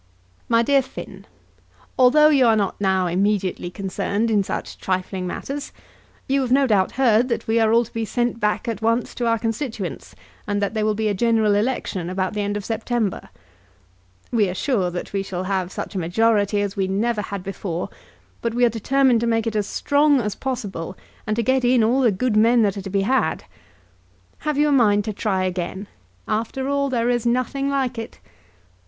MY DEAR FINN, Although you are not now immediately concerned in such trifling matters you have no doubt heard that we are all to be sent back at once to our constituents, and that there will be a general election about the end of September. We are sure that we shall have such a majority as we never had before; but we are determined to make it as strong as possible, and to get in all the good men that are to be had. Have you a mind to try again? After all, there is nothing like it.